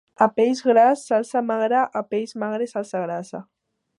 A peix gras, salsa magra; a peix magre, salsa grassa.